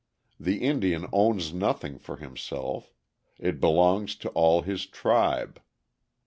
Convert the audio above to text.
The Indian owns nothing for himself: it belongs to all his tribe.